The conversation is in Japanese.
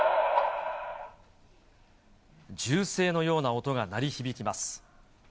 銃声のような音が鳴り響きます。